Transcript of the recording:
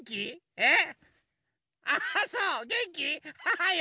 えっ？